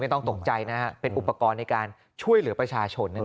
ไม่ต้องตกใจเป็นอุปกรณ์ในการช่วยเหลือประชาชน